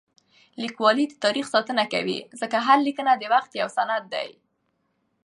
لیکوالی د تاریخ ساتنه کوي ځکه هره لیکنه د وخت یو سند دی.